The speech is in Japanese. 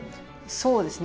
そうですね。